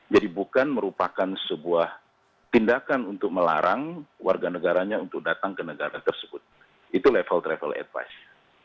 jadi bukan merupakan sebuah tindakan untuk melarang warga negaranya untuk datang ke negara tersebut itu level travel advice